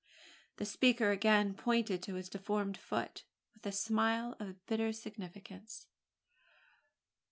The speaker again pointed to his deformed foot with a smile of bitter significance.